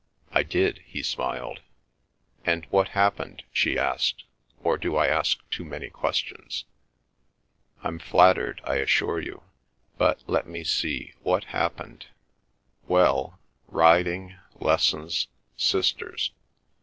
"I did," he smiled. "And what happened?" she asked. "Or do I ask too many questions?" "I'm flattered, I assure you. But—let me see—what happened? Well, riding, lessons, sisters.